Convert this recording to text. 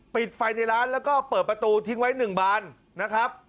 ปิดไฟในร้านแล้วก็เปิดประตูทิ้งไว้๑บานนะครับ